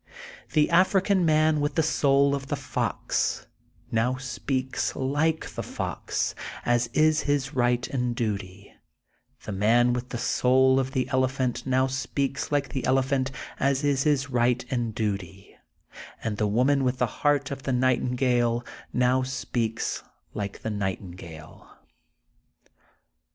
The African man with the soul of the fox, now speaks like the fox, as is his Tight and duty, the man with the soul of the ele phant now speaks like the elephant, as is his right and duty, and the woman with the heart of the nightingale now speaks like the night ingale.